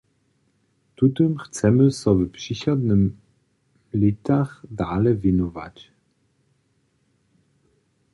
Tutym chcemy so w přichodnych lětach dale wěnować.